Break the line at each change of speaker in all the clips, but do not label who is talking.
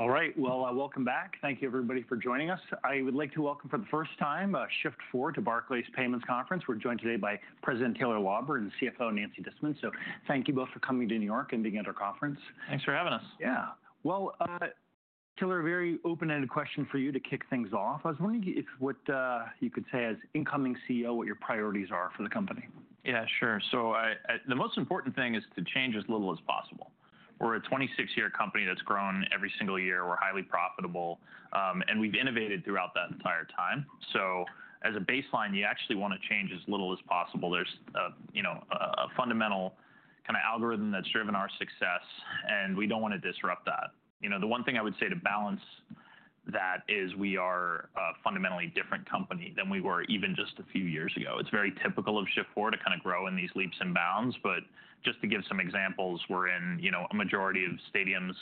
All right. Welcome back. Thank you, everybody, for joining us. I would like to welcome for the first time Shift4 to Barclays Payments Conference. We are joined today by President Taylor Lauber and CFO Nancy Disman. Thank you both for coming to New York and being at our conference.
Thanks for having us.
Yeah. Taylor, a very open-ended question for you to kick things off. I was wondering if you could say as incoming CEO what your priorities are for the company.
Yeah, sure. The most important thing is to change as little as possible. We're a 26-year company that's grown every single year. We're highly profitable. We've innovated throughout that entire time. As a baseline, you actually want to change as little as possible. There's a fundamental kind of algorithm that's driven our success. We don't want to disrupt that. The one thing I would say to balance that is we are a fundamentally different company than we were even just a few years ago. It's very typical of Shift4 to kind of grow in these leaps and bounds. To give some examples, we're in a majority of stadiums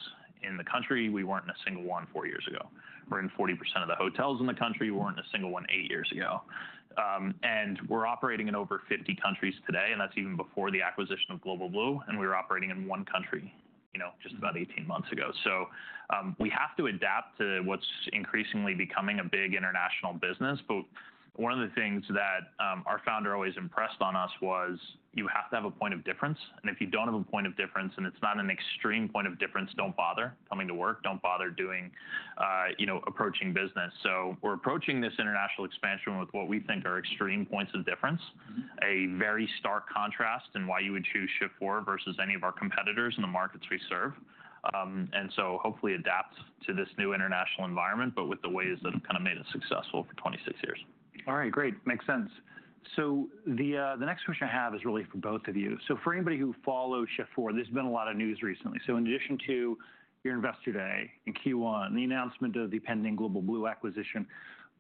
in the country. We weren't in a single one four years ago. We're in 40% of the hotels in the country. We weren't in a single one eight years ago. We're operating in over 50 countries today. That is even before the acquisition of Global Blue. We were operating in one country just about 18 months ago. We have to adapt to what is increasingly becoming a big international business. One of the things that our founder always impressed on us was you have to have a point of difference. If you do not have a point of difference, and it is not an extreme point of difference, do not bother coming to work. Do not bother approaching business. We are approaching this international expansion with what we think are extreme points of difference, a very stark contrast in why you would choose Shift4 versus any of our competitors in the markets we serve. Hopefully we adapt to this new international environment, but with the ways that have kind of made us successful for 26 years.
All right. Great. Makes sense. The next question I have is really for both of you. For anybody who follows Shift4, there's been a lot of news recently. In addition to your Investor Day and Q1, the announcement of the pending Global Blue acquisition,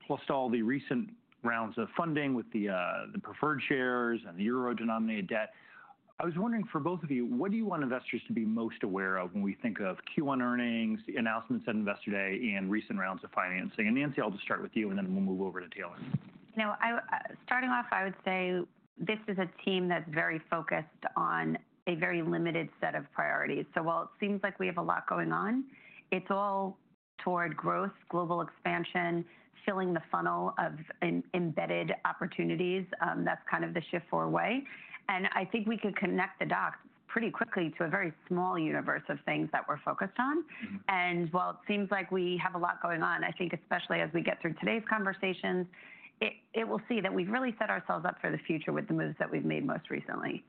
plus all the recent rounds of funding with the preferred shares and the euro-denominated debt, I was wondering for both of you, what do you want investors to be most aware of when we think of Q1 earnings, the announcements at Investor Day, and recent rounds of financing? Nancy, I'll just start with you, and then we'll move over to Taylor.
You know, starting off, I would say this is a team that's very focused on a very limited set of priorities. While it seems like we have a lot going on, it's all toward growth, global expansion, filling the funnel of embedded opportunities. That's kind of the Shift4 way. I think we could connect the dots pretty quickly to a very small universe of things that we're focused on. While it seems like we have a lot going on, I think especially as we get through today's conversations, it will see that we've really set ourselves up for the future with the moves that we've made most recently.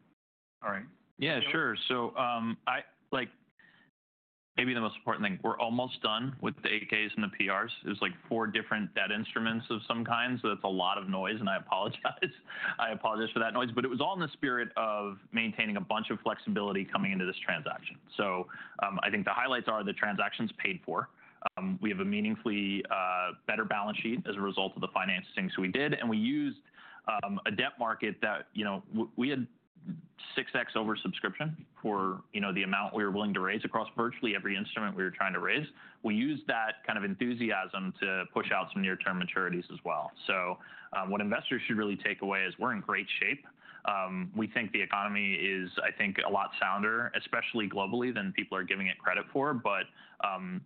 All right.
Yeah, sure. So maybe the most important thing, we're almost done with the 8Ks and the PRs. It was like four different debt instruments of some kind. That's a lot of noise. I apologize. I apologize for that noise. It was all in the spirit of maintaining a bunch of flexibility coming into this transaction. I think the highlights are the transaction's paid for. We have a meaningfully better balance sheet as a result of the financings we did. We used a debt market that we had 6X oversubscription for the amount we were willing to raise across virtually every instrument we were trying to raise. We used that kind of enthusiasm to push out some near-term maturities as well. What investors should really take away is we're in great shape. We think the economy is, I think, a lot sounder, especially globally, than people are giving it credit for.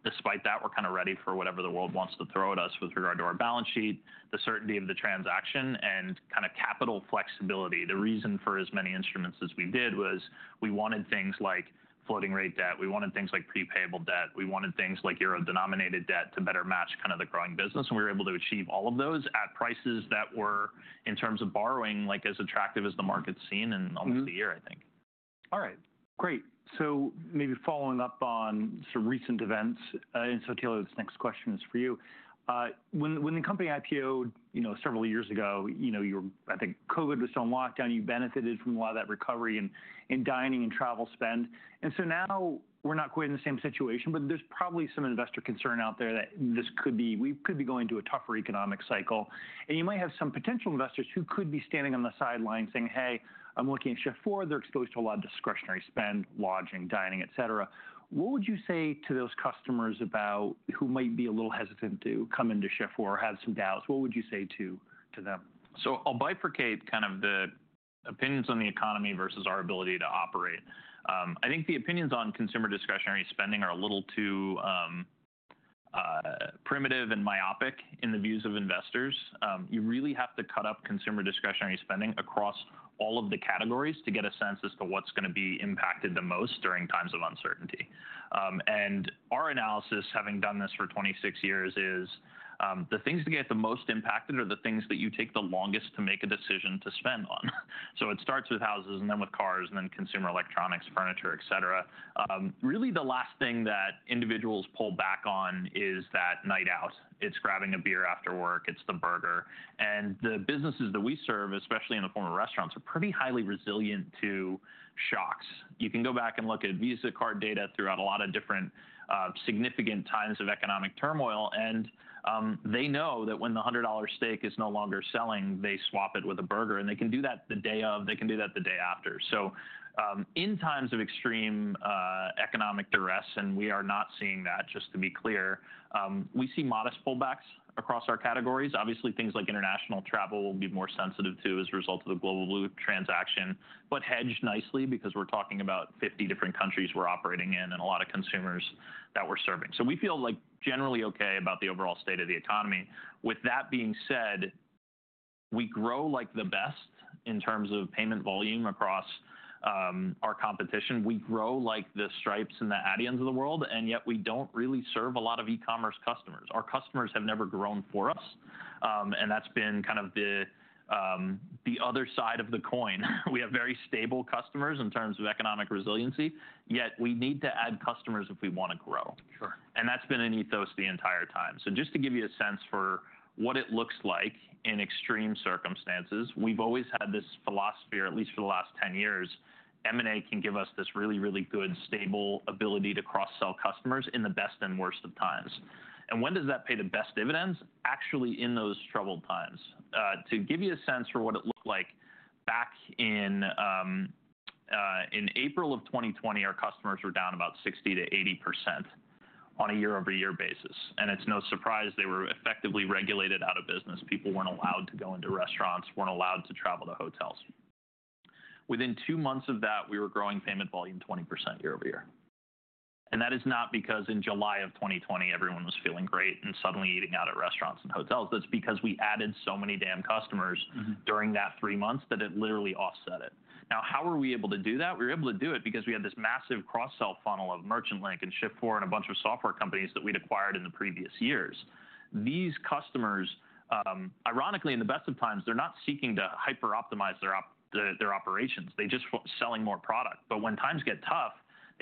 Despite that, we're kind of ready for whatever the world wants to throw at us with regard to our balance sheet, the certainty of the transaction, and kind of capital flexibility. The reason for as many instruments as we did was we wanted things like floating-rate debt. We wanted things like prepayable debt. We wanted things like euro-denominated debt to better match kind of the growing business. We were able to achieve all of those at prices that were, in terms of borrowing, as attractive as the market's seen in almost a year, I think.
All right. Great. Maybe following up on some recent events. Taylor, this next question is for you. When the company IPOed several years ago, I think COVID was still in lockdown, you benefited from a lot of that recovery in dining and travel spend. Now we're not quite in the same situation. There's probably some investor concern out there that we could be going to a tougher economic cycle. You might have some potential investors who could be standing on the sidelines saying, hey, I'm looking at Shift4. They're exposed to a lot of discretionary spend, lodging, dining, et cetera. What would you say to those customers who might be a little hesitant to come into Shift4 or have some doubts? What would you say to them?
I'll bifurcate kind of the opinions on the economy versus our ability to operate. I think the opinions on consumer discretionary spending are a little too primitive and myopic in the views of investors. You really have to cut up consumer discretionary spending across all of the categories to get a sense as to what's going to be impacted the most during times of uncertainty. Our analysis, having done this for 26 years, is the things that get the most impacted are the things that you take the longest to make a decision to spend on. It starts with houses, and then with cars, and then consumer electronics, furniture, et cetera. Really, the last thing that individuals pull back on is that night out. It's grabbing a beer after work. It's the burger. The businesses that we serve, especially in the form of restaurants, are pretty highly resilient to shocks. You can go back and look at Visa card data throughout a lot of different significant times of economic turmoil. They know that when the $100 steak is no longer selling, they swap it with a burger. They can do that the day of. They can do that the day after. In times of extreme economic duress, and we are not seeing that, just to be clear, we see modest pullbacks across our categories. Obviously, things like international travel will be more sensitive to as a result of the Global Blue transaction, but hedged nicely because we are talking about 50 different countries we are operating in and a lot of consumers that we are serving. We feel generally OK about the overall state of the economy. With that being said, we grow like the best in terms of payment volume across our competition. We grow like the Stripes and the Adyens of the world. Yet we do not really serve a lot of e-commerce customers. Our customers have never grown for us. That has been kind of the other side of the coin. We have very stable customers in terms of economic resiliency. Yet we need to add customers if we want to grow. That has been an ethos the entire time. Just to give you a sense for what it looks like in extreme circumstances, we have always had this philosophy, or at least for the last 10 years, M&A can give us this really, really good stable ability to cross-sell customers in the best and worst of times. When does that pay the best dividends? Actually, in those troubled times. To give you a sense for what it looked like back in April of 2020, our customers were down about 60%-80% on a year-over-year basis. It is no surprise they were effectively regulated out of business. People were not allowed to go into restaurants, were not allowed to travel to hotels. Within two months of that, we were growing payment volume 20% year-over-year. That is not because in July of 2020, everyone was feeling great and suddenly eating out at restaurants and hotels. That is because we added so many damn customers during that three months that it literally offset it. Now, how were we able to do that? We were able to do it because we had this massive cross-sell funnel of MerchantLink and Shift4 and a bunch of software companies that we had acquired in the previous years. These customers, ironically, in the best of times, they're not seeking to hyper-optimize their operations. They're just selling more product. When times get tough,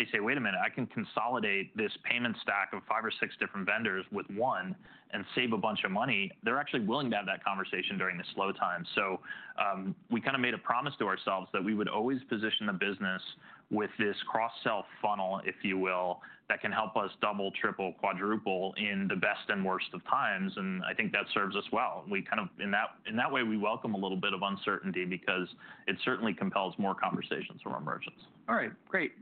they say, wait a minute, I can consolidate this payment stack of five or six different vendors with one and save a bunch of money. They're actually willing to have that conversation during the slow time. We kind of made a promise to ourselves that we would always position the business with this cross-sell funnel, if you will, that can help us double, triple, quadruple in the best and worst of times. I think that serves us well. In that way, we welcome a little bit of uncertainty because it certainly compels more conversations around merchants.
All right. Great.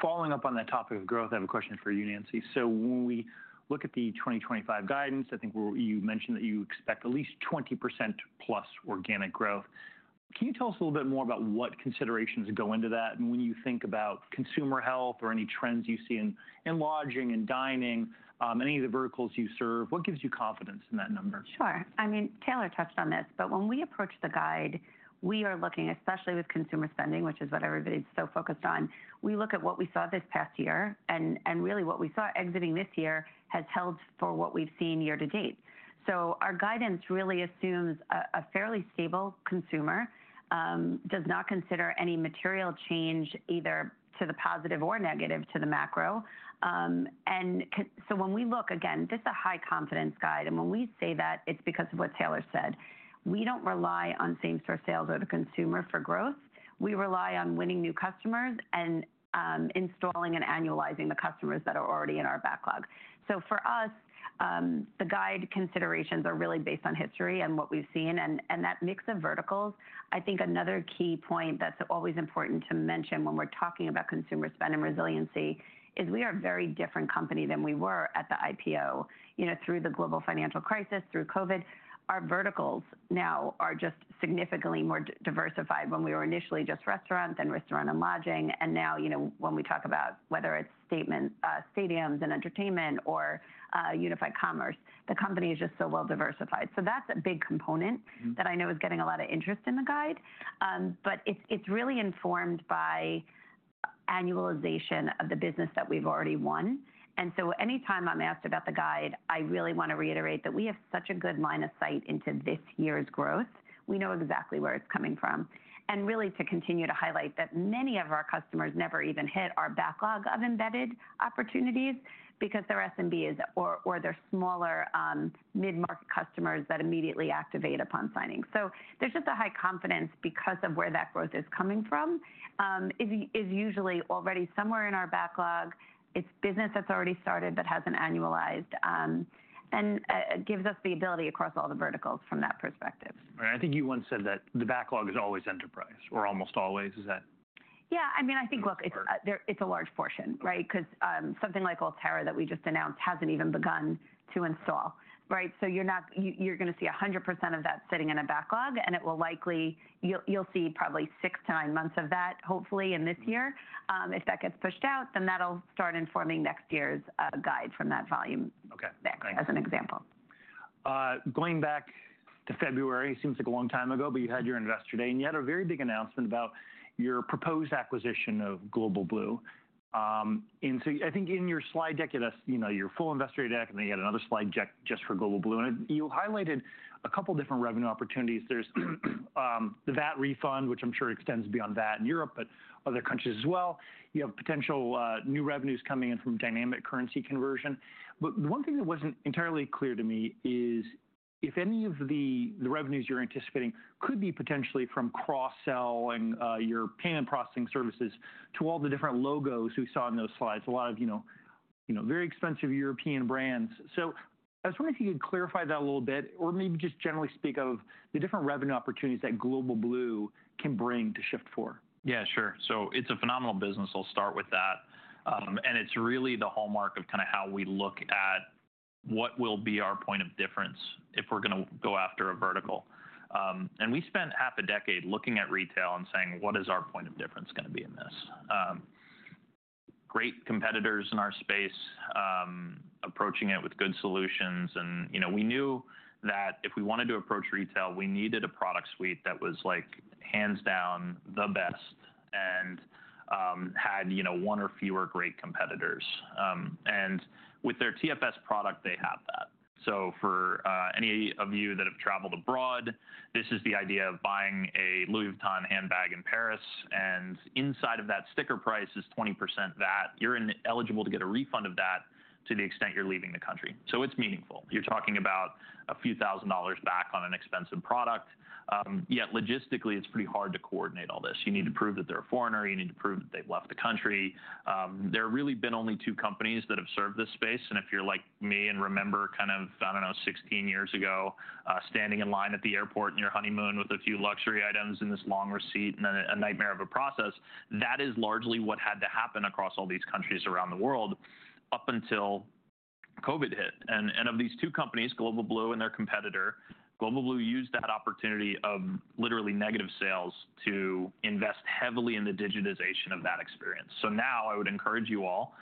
Following up on that topic of growth, I have a question for you, Nancy. When we look at the 2025 guidance, I think you mentioned that you expect at least 20%+ organic growth. Can you tell us a little bit more about what considerations go into that? When you think about consumer health or any trends you see in lodging and dining, any of the verticals you serve, what gives you confidence in that number?
Sure. I mean, Taylor touched on this. When we approach the guide, we are looking, especially with consumer spending, which is what everybody's so focused on, we look at what we saw this past year. Really, what we saw exiting this year has held for what we've seen year to date. Our guidance really assumes a fairly stable consumer, does not consider any material change, either to the positive or negative, to the macro. When we look, again, this is a high-confidence guide. When we say that, it's because of what Taylor said. We do not rely on same-store sales or the consumer for growth. We rely on winning new customers and installing and annualizing the customers that are already in our backlog. For us, the guide considerations are really based on history and what we've seen. That mix of verticals, I think another key point that's always important to mention when we're talking about consumer spend and resiliency is we are a very different company than we were at the IPO. Through the global financial crisis, through COVID, our verticals now are just significantly more diversified. When we were initially just restaurant, then restaurant and lodging. Now when we talk about whether it's stadiums and entertainment or unified commerce, the company is just so well-diversified. That is a big component that I know is getting a lot of interest in the guide. It is really informed by annualization of the business that we've already won. Any time I'm asked about the guide, I really want to reiterate that we have such a good line of sight into this year's growth. We know exactly where it's coming from. Really to continue to highlight that many of our customers never even hit our backlog of embedded opportunities because they're SMBs or they're smaller mid-market customers that immediately activate upon signing. There is just a high confidence because of where that growth is coming from. It's usually already somewhere in our backlog. It's business that's already started but hasn't annualized. It gives us the ability across all the verticals from that perspective.
Right. I think you once said that the backlog is always enterprise or almost always. Is that?
Yeah. I mean, I think, look, it's a large portion, right? Because something like Alterra that we just announced hasn't even begun to install. So you're going to see 100% of that sitting in a backlog. It will likely you'll see probably six to nine months of that, hopefully, in this year. If that gets pushed out, then that'll start informing next year's guide from that volume back as an example.
Going back to February, it seems like a long time ago, but you had your Investor Day. You had a very big announcement about your proposed acquisition of Global Blue. I think in your slide deck, you had your full Investor Day deck, and then you had another slide deck just for Global Blue. You highlighted a couple of different revenue opportunities. There is the VAT refund, which I am sure extends beyond VAT in Europe, but other countries as well. You have potential new revenues coming in from dynamic currency conversion. The one thing that was not entirely clear to me is if any of the revenues you are anticipating could be potentially from cross-selling your payment processing services to all the different logos we saw in those slides, a lot of very expensive European brands. I was wondering if you could clarify that a little bit or maybe just generally speak of the different revenue opportunities that Global Blue can bring to Shift4.
Yeah, sure. So it's a phenomenal business. I'll start with that. It's really the hallmark of kind of how we look at what will be our point of difference if we're going to go after a vertical. We spent half a decade looking at retail and saying, what is our point of difference going to be in this? Great competitors in our space approaching it with good solutions. We knew that if we wanted to approach retail, we needed a product suite that was like hands down the best and had one or fewer great competitors. With their TFS product, they have that. For any of you that have traveled abroad, this is the idea of buying a Louis Vuitton handbag in Paris. Inside of that sticker price is 20% VAT. You're eligible to get a refund of that to the extent you're leaving the country. It is meaningful. You're talking about a few thousand dollars back on an expensive product. Yet logistically, it's pretty hard to coordinate all this. You need to prove that they're a foreigner. You need to prove that they've left the country. There have really been only two companies that have served this space. If you're like me and remember kind of, I don't know, 16 years ago standing in line at the airport on your honeymoon with a few luxury items and this long receipt and then a nightmare of a process, that is largely what had to happen across all these countries around the world up until COVID hit. Of these two companies, Global Blue and their competitor, Global Blue used that opportunity of literally negative sales to invest heavily in the digitization of that experience. Now I would encourage you all,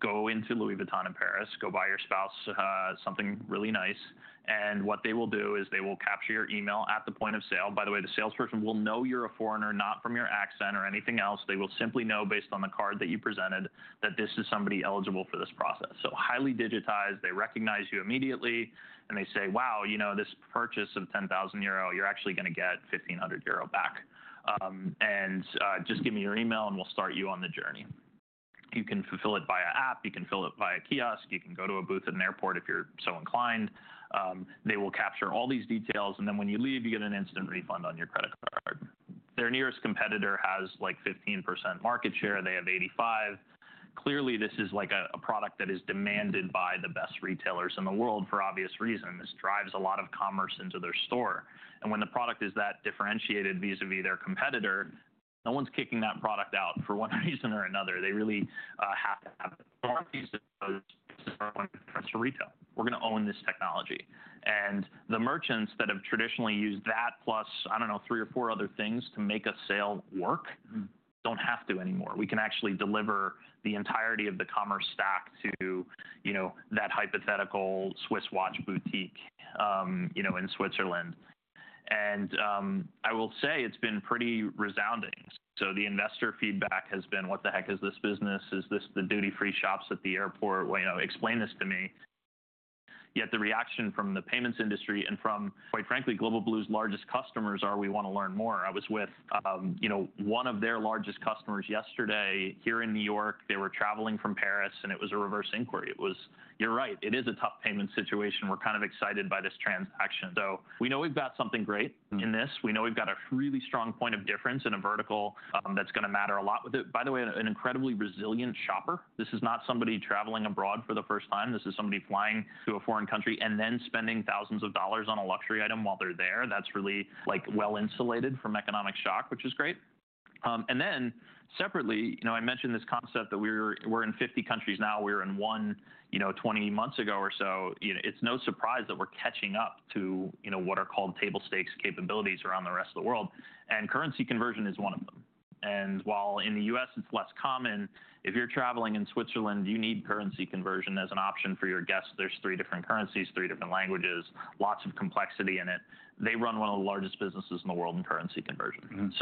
go into Louis Vuitton in Paris. Go buy your spouse something really nice. What they will do is they will capture your email at the point of sale. By the way, the salesperson will know you are a foreigner, not from your accent or anything else. They will simply know based on the card that you presented that this is somebody eligible for this process. Highly digitized. They recognize you immediately. They say, wow, you know this purchase of 10,000 euro, you are actually going to get 1,500 euro back. Just give me your email, and we will start you on the journey. You can fulfill it by an app. You can fill it via kiosk. You can go to a booth at an airport if you're so inclined. They will capture all these details. When you leave, you get an instant refund on your credit card. Their nearest competitor has like 15% market share. They have 85%. Clearly, this is like a product that is demanded by the best retailers in the world for obvious reasons. This drives a lot of commerce into their store. When the product is that differentiated vis-à-vis their competitor, no one's kicking that product out for one reason or another. They really have to have more pieces of those to sell to retail. We're going to own this technology. The merchants that have traditionally used that plus, I don't know, three or four other things to make a sale work don't have to anymore. We can actually deliver the entirety of the commerce stack to that hypothetical Swiss watch boutique in Switzerland. I will say it has been pretty resounding. The investor feedback has been, what the heck is this business? Is this the duty-free shops at the airport? Explain this to me. Yet the reaction from the payments industry and from, quite frankly, Global Blue's largest customers are, we want to learn more. I was with one of their largest customers yesterday here in New York. They were traveling from Paris. It was a reverse inquiry. It was, you are right, it is a tough payment situation. We are kind of excited by this transaction. We know we have got something great in this. We know we have got a really strong point of difference in a vertical that is going to matter a lot. By the way, an incredibly resilient shopper. This is not somebody traveling abroad for the first time. This is somebody flying to a foreign country and then spending thousands of dollars on a luxury item while they're there. That's really well insulated from economic shock, which is great. Separately, I mentioned this concept that we're in 50 countries now. We were in one 20 months ago or so. It's no surprise that we're catching up to what are called table stakes capabilities around the rest of the world. Currency conversion is one of them. While in the U.S. it's less common, if you're traveling in Switzerland, you need currency conversion as an option for your guests. There are three different currencies, three different languages, lots of complexity in it. They run one of the largest businesses in the world in currency conversion.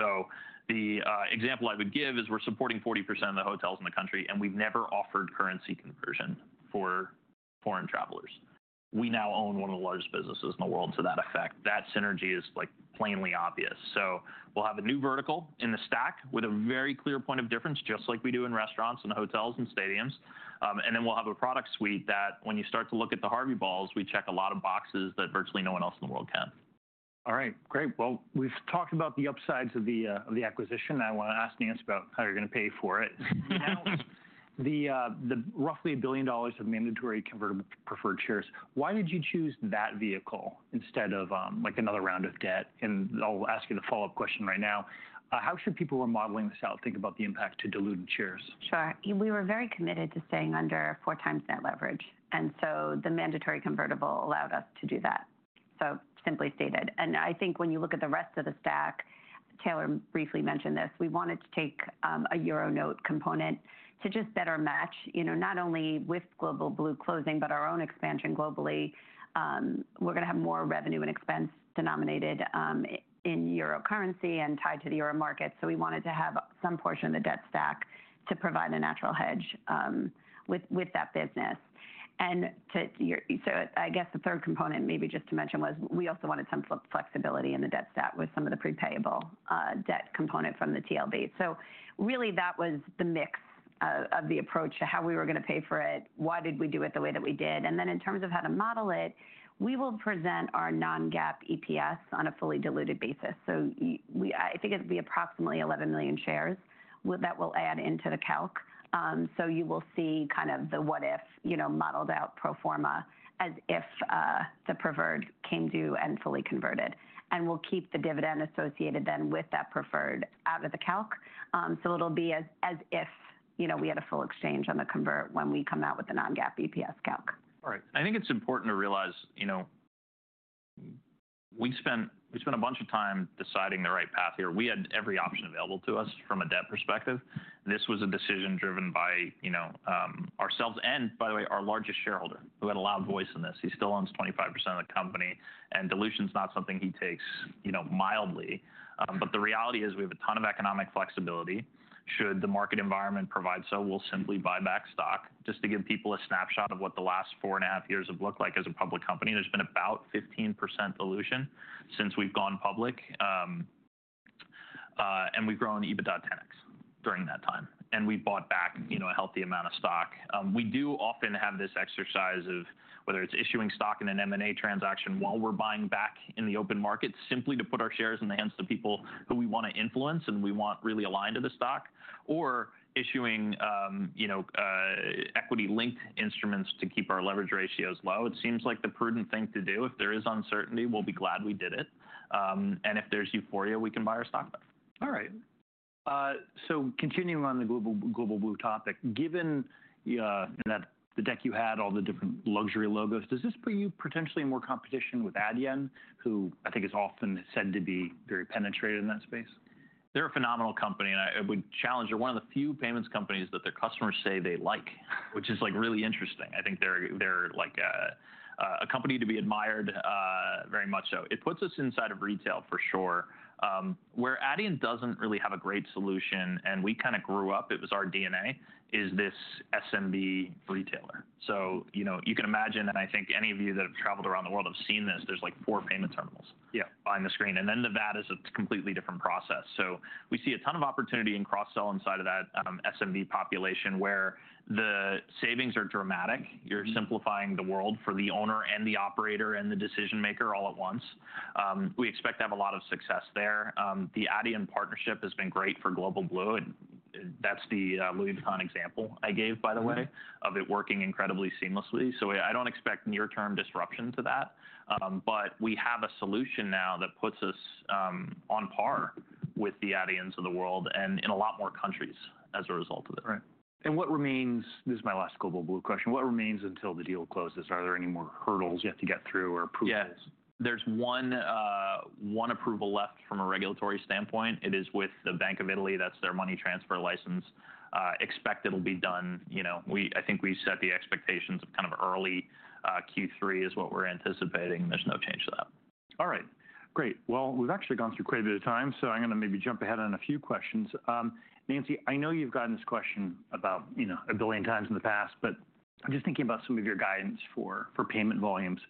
The example I would give is we're supporting 40% of the hotels in the country. We've never offered currency conversion for foreign travelers. We now own one of the largest businesses in the world to that effect. That synergy is plainly obvious. We'll have a new vertical in the stack with a very clear point of difference, just like we do in restaurants and hotels and stadiums. We'll have a product suite that when you start to look at the Harvey Balls, we check a lot of boxes that virtually no one else in the world can.
All right. Great. We have talked about the upsides of the acquisition. I want to ask Nancy about how you are going to pay for it. Now, the roughly $1 billion of mandatory convertible preferred shares, why did you choose that vehicle instead of another round of debt? I will ask you the follow-up question right now. How should people who are modeling this out think about the impact to diluted shares?
Sure. We were very committed to staying under 4x net leverage. The mandatory convertible allowed us to do that, so simply stated. I think when you look at the rest of the stack, Taylor briefly mentioned this, we wanted to take a Euro note component to just better match not only with Global Blue closing, but our own expansion globally. We are going to have more revenue and expense denominated in euro currency and tied to the euro market. We wanted to have some portion of the debt stack to provide a natural hedge with that business. I guess the third component, maybe just to mention, was we also wanted some flexibility in the debt stack with some of the prepayable debt component from the TLB. Really, that was the mix of the approach to how we were going to pay for it, why did we do it the way that we did. In terms of how to model it, we will present our non-GAAP EPS on a fully diluted basis. I think it will be approximately 11 million shares that we will add into the calc. You will see kind of the what-if modeled out pro forma as if the preferred came due and fully converted. We will keep the dividend associated then with that preferred out of the calc. It will be as if we had a full exchange on the convert when we come out with the non-GAAP EPS calc.
All right. I think it's important to realize we spent a bunch of time deciding the right path here. We had every option available to us from a debt perspective. This was a decision driven by ourselves and, by the way, our largest shareholder who had a loud voice in this. He still owns 25% of the company. Dilution is not something he takes mildly. The reality is we have a ton of economic flexibility. Should the market environment provide so, we'll simply buy back stock. Just to give people a snapshot of what the last four and a half years have looked like as a public company, there's been about 15% dilution since we've gone public. We've grown EBITDA 10X during that time. We bought back a healthy amount of stock. We do often have this exercise of whether it's issuing stock in an M&A transaction while we're buying back in the open market simply to put our shares in the hands of people who we want to influence and we want really aligned to the stock or issuing equity-linked instruments to keep our leverage ratios low. It seems like the prudent thing to do. If there is uncertainty, we'll be glad we did it. If there's euphoria, we can buy our stock back.
All right. So continuing on the Global Blue topic, given the deck you had, all the different luxury logos, does this put you potentially in more competition with Adyen, who I think is often said to be very penetrated in that space?
They're a phenomenal company. I would challenge they're one of the few payments companies that their customers say they like, which is really interesting. I think they're a company to be admired very much so. It puts us inside of retail for sure. Where Adyen doesn't really have a great solution, and we kind of grew up, it was our DNA, is this SMB retailer. You can imagine, and I think any of you that have traveled around the world have seen this, there's like four payment terminals on the screen. The VAT is a completely different process. We see a ton of opportunity in cross-sell inside of that SMB population where the savings are dramatic. You're simplifying the world for the owner and the operator and the decision maker all at once. We expect to have a lot of success there. The Adyen partnership has been great for Global Blue. That is the Louis Vuitton example I gave, by the way, of it working incredibly seamlessly. I do not expect near-term disruption to that. We have a solution now that puts us on par with the Adyens of the world and in a lot more countries as a result of it.
Right. What remains, this is my last Global Blue question. What remains until the deal closes? Are there any more hurdles you have to get through or approvals?
Yeah. There's one approval left from a regulatory standpoint. It is with the Bank of Italy. That's their money transfer license. Expect it'll be done. I think we set the expectations of kind of early Q3 is what we're anticipating. There's no change to that.
All right. Great. We've actually gone through quite a bit of time. I'm going to maybe jump ahead on a few questions. Nancy, I know you've gotten this question about a billion times in the past. I'm just thinking about some of your guidance for payment volumes.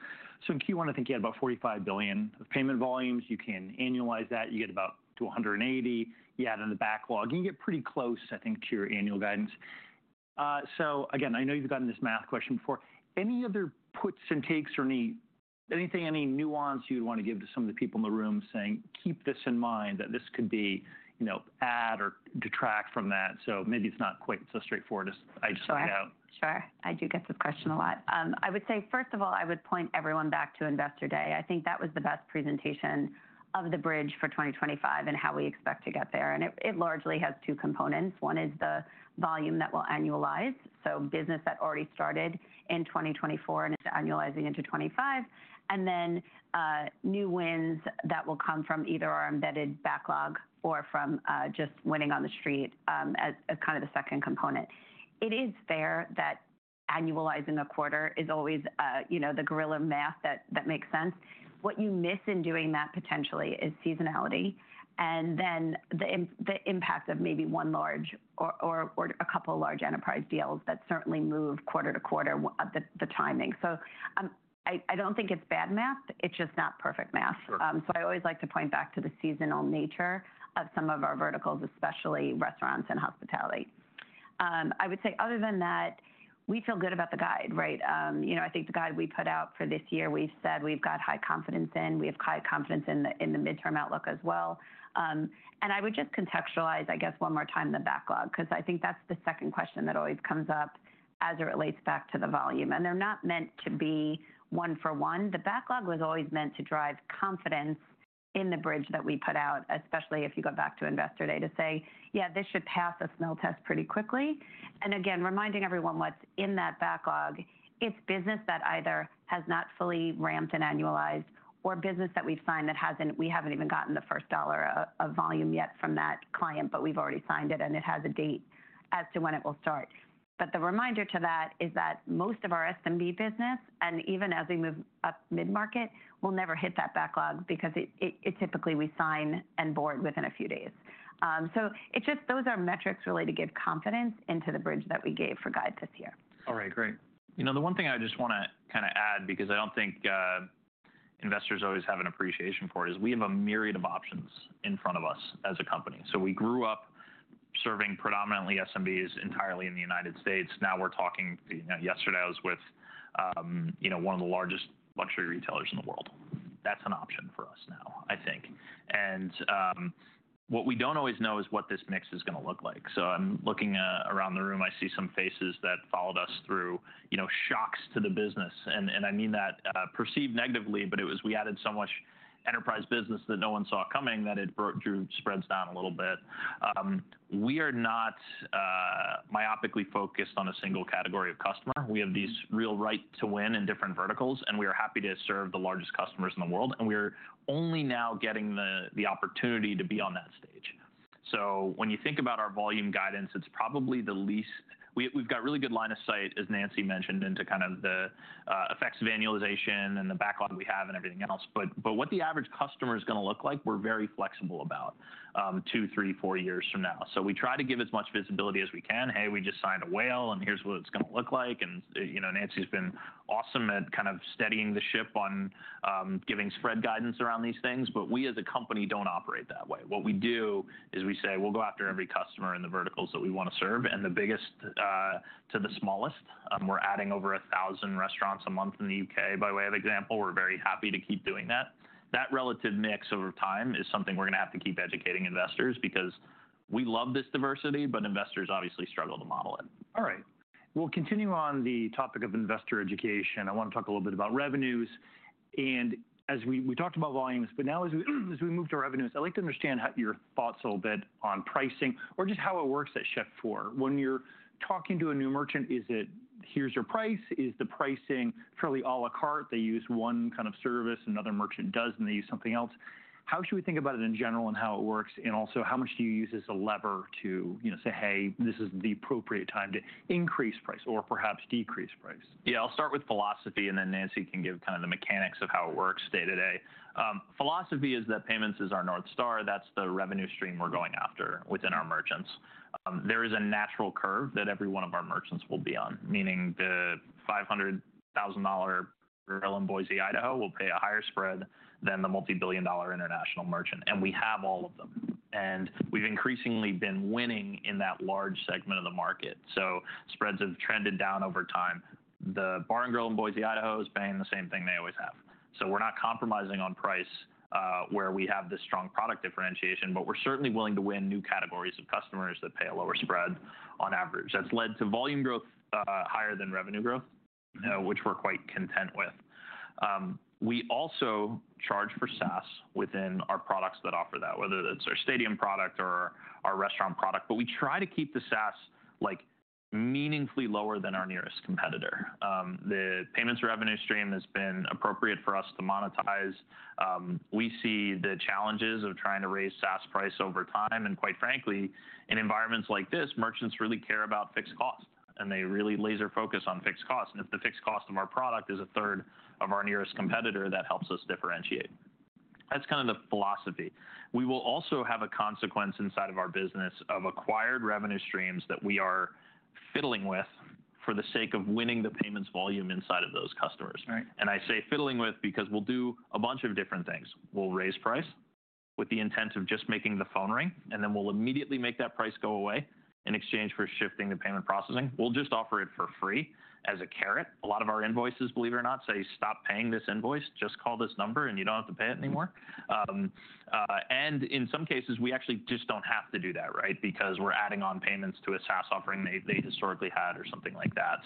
In Q1, I think you had about $45 billion of payment volumes. You can annualize that. You get about to $180 billion. You add in the backlog. You get pretty close, I think, to your annual guidance. I know you've gotten this math question before. Any other puts and takes or anything, any nuance you'd want to give to some of the people in the room saying, keep this in mind, that this could add or detract from that? Maybe it's not quite so straightforward as I just found out.
Sure. I do get this question a lot. I would say, first of all, I would point everyone back to Investor Day. I think that was the best presentation of the bridge for 2025 and how we expect to get there. It largely has two components. One is the volume that we'll annualize, so business that already started in 2024 and is annualizing into 2025, and then new wins that will come from either our embedded backlog or from just winning on the street as kind of the second component. It is fair that annualizing a quarter is always the guerrilla math that makes sense. What you miss in doing that potentially is seasonality and then the impact of maybe one large or a couple of large enterprise deals that certainly move quarter to quarter the timing. I do not think it is bad math. It is just not perfect math. I always like to point back to the seasonal nature of some of our verticals, especially restaurants and hospitality. I would say other than that, we feel good about the guide. Right? I think the guide we put out for this year, we've said we've got high confidence in. We have high confidence in the midterm outlook as well. I would just contextualize, I guess, one more time the backlog, because I think that's the second question that always comes up as it relates back to the volume. They're not meant to be one for one. The backlog was always meant to drive confidence in the bridge that we put out, especially if you go back to Investor Day to say, yeah, this should pass the smell test pretty quickly. Again, reminding everyone what's in that backlog, it's business that either has not fully ramped and annualized or business that we've signed that we haven't even gotten the first dollar of volume yet from that client. We've already signed it, and it has a date as to when it will start. The reminder to that is that most of our SMB business, and even as we move up mid-market, will never hit that backlog because typically we sign and board within a few days. Those are metrics really to give confidence into the bridge that we gave for guide this year.
All right. Great. You know, the one thing I just want to kind of add, because I do not think investors always have an appreciation for it, is we have a myriad of options in front of us as a company. So we grew up serving predominantly SMBs entirely in the United States. Now we are talking yesterday I was with one of the largest luxury retailers in the world. That is an option for us now, I think. What we do not always know is what this mix is going to look like. I am looking around the room. I see some faces that followed us through shocks to the business. I mean that perceived negatively. It was we added so much enterprise business that no one saw coming that it spreads down a little bit. We are not myopically focused on a single category of customer. We have these real right to win in different verticals. We are happy to serve the largest customers in the world. We are only now getting the opportunity to be on that stage. When you think about our volume guidance, it's probably the least we've got really good line of sight, as Nancy mentioned, into kind of the effects of annualization and the backlog we have and everything else. What the average customer is going to look like, we're very flexible about two, three, four years from now. We try to give as much visibility as we can. Hey, we just signed a whale. Here's what it's going to look like. Nancy's been awesome at kind of steadying the ship on giving spread guidance around these things. We as a company don't operate that way. What we do is we say we'll go after every customer in the verticals that we want to serve. And the biggest to the smallest. We're adding over 1,000 restaurants a month in the U.K., by way of example. We're very happy to keep doing that. That relative mix over time is something we're going to have to keep educating investors because we love this diversity. But investors obviously struggle to model it. All right.
We'll continue on the topic of investor education. I want to talk a little bit about revenues. And as we talked about volumes, but now as we move to revenues, I'd like to understand your thoughts a little bit on pricing or just how it works at Shift4. When you're talking to a new merchant, is it here's your price? Is the pricing fairly à la carte? They use one kind of service. Another merchant doesn't. They use something else. How should we think about it in general and how it works? Also, how much do you use as a lever to say, hey, this is the appropriate time to increase price or perhaps decrease price?
Yeah. I'll start with philosophy. And then Nancy can give kind of the mechanics of how it works day to day. Philosophy is that payments is our North Star. That's the revenue stream we're going after within our merchants. There is a natural curve that every one of our merchants will be on, meaning the $500,000 girl in Boise, Idaho will pay a higher spread than the multi-billion dollar international merchant. And we have all of them. And we've increasingly been winning in that large segment of the market. So spreads have trended down over time. The bar and girl in Boise, Idaho is paying the same thing they always have. So we're not compromising on price where we have this strong product differentiation. But we're certainly willing to win new categories of customers that pay a lower spread on average. That's led to volume growth higher than revenue growth, which we're quite content with. We also charge for SaaS within our products that offer that, whether it's our stadium product or our restaurant product. We try to keep the SaaS meaningfully lower than our nearest competitor. The payments revenue stream has been appropriate for us to monetize. We see the challenges of trying to raise SaaS price over time. Quite frankly, in environments like this, merchants really care about fixed cost. They really laser focus on fixed cost. If the fixed cost of our product is a third of our nearest competitor, that helps us differentiate. That's kind of the philosophy. We will also have a consequence inside of our business of acquired revenue streams that we are fiddling with for the sake of winning the payments volume inside of those customers. I say fiddling with because we'll do a bunch of different things. We'll raise price with the intent of just making the phone ring. We'll immediately make that price go away in exchange for shifting the payment processing. We'll just offer it for free as a carrot. A lot of our invoices, believe it or not, say, stop paying this invoice. Just call this number. You don't have to pay it anymore. In some cases, we actually just don't have to do that, right, because we're adding on payments to a SaaS offering they historically had or something like that.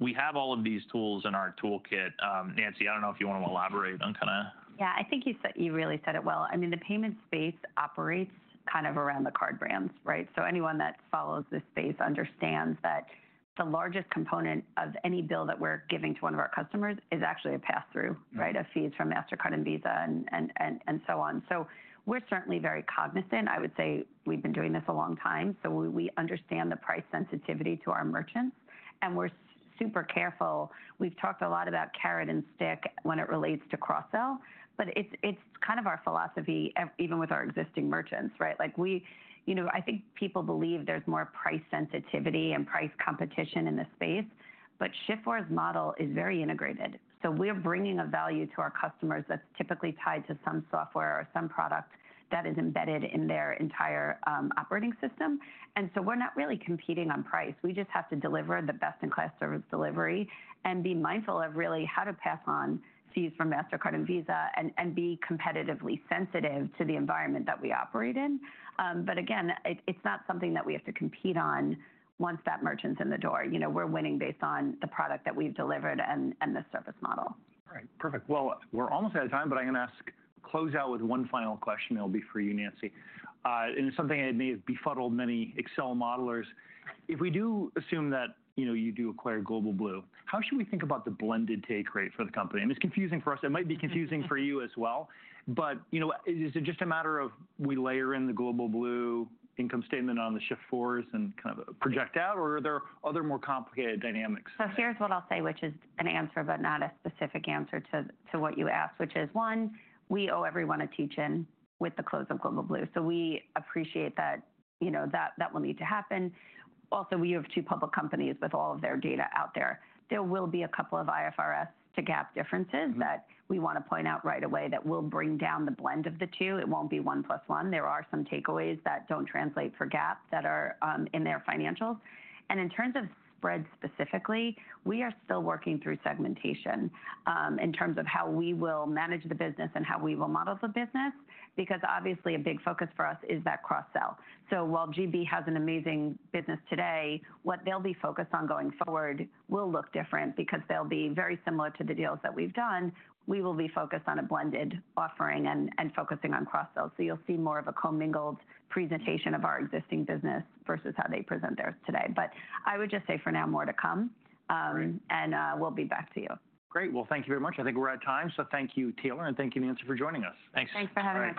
We have all of these tools in our toolkit. Nancy, I don't know if you want to elaborate on kind of.
Yeah. I think you really said it well. I mean, the payment space operates kind of around the card brands. Right? So anyone that follows this space understands that the largest component of any bill that we're giving to one of our customers is actually a pass-through, right, of fees from Mastercard and Visa and so on. So we're certainly very cognizant. I would say we've been doing this a long time. So we understand the price sensitivity to our merchants. And we're super careful. We've talked a lot about carrot and stick when it relates to cross-sell. But it's kind of our philosophy, even with our existing merchants. Right? I think people believe there's more price sensitivity and price competition in this space. But Shift4's model is very integrated. We're bringing a value to our customers that's typically tied to some software or some product that is embedded in their entire operating system. We're not really competing on price. We just have to deliver the best-in-class service delivery and be mindful of really how to pass on fees from Mastercard and Visa and be competitively sensitive to the environment that we operate in. Again, it's not something that we have to compete on once that merchant's in the door. We're winning based on the product that we've delivered and the service model.
All right. Perfect. We're almost out of time. I'm going to close out with one final question. It'll be for you, Nancy. It's something that may have befuddled many Excel modelers. If we do assume that you do acquire Global Blue, how should we think about the blended take rate for the company? It's confusing for us. It might be confusing for you as well. Is it just a matter of we layer in the Global Blue income statement on the Shift4s and kind of project out? Or are there other more complicated dynamics?
Here's what I'll say, which is an answer but not a specific answer to what you asked, which is, one, we owe everyone a teach-in with the close of Global Blue. We appreciate that that will need to happen. Also, we have two public companies with all of their data out there. There will be a couple of IFRS to GAAP differences that we want to point out right away that will bring down the blend of the two. It will not be one plus one. There are some takeaways that do not translate for GAAP that are in their financials. In terms of spread specifically, we are still working through segmentation in terms of how we will manage the business and how we will model the business because obviously a big focus for us is that cross-sell. While Global Blue has an amazing business today, what they'll be focused on going forward will look different because they'll be very similar to the deals that we've done. We will be focused on a blended offering and focusing on cross-sell. You'll see more of a co-mingled presentation of our existing business versus how they present theirs today. I would just say for now, more to come. We'll be back to you.
Great. Thank you very much. I think we're out of time. Thank you, Taylor. Thank you, Nancy, for joining us.
Thanks.
Thanks for having us.